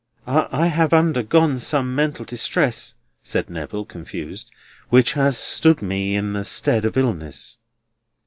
"I have undergone some mental distress," said Neville, confused, "which has stood me in the stead of illness."